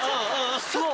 そう。